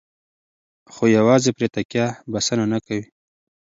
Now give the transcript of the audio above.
خو یوازې پرې تکیه بسنه نه کوي.